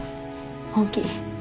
本気。